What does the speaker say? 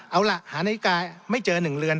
เอาล่ะหานาฬิกาไม่เจอ๑เรือน